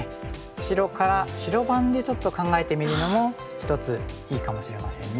白から白番でちょっと考えてみるのも一ついいかもしれませんね。